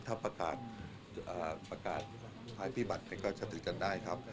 ถ้าประกาศภัยพิบัติก็จะถือกันได้ครับ